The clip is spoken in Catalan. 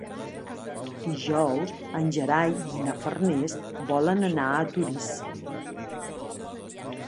Dijous en Gerai i na Farners volen anar a Torís.